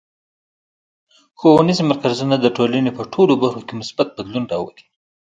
ښوونیز مرکزونه د ټولنې په ټولو برخو کې مثبت بدلون راولي.